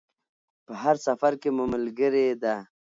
په هر سفر کې مو ملګرې ده.